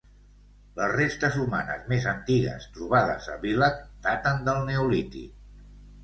Les restes humanes més antigues trobades a Villach daten del neolític.